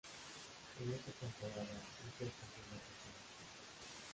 En esa temporada, Iker perdió la titularidad.